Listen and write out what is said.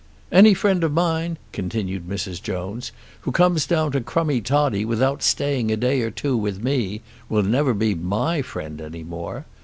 "Any friend of mine," continued Mrs. Jones, "who comes down to Crummie Toddie without staying a day or two with me, will never be my friend any more.